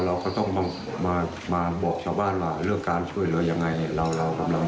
เราก็ต้องมามาบอกชาวบ้านว่าเรื่องการช่วยเหลือยังไงเนี่ยเรากำลัง